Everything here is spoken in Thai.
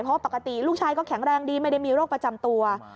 เพราะปกติลูกชายก็แข็งแรงดีไม่ได้มีโรคประจำตัว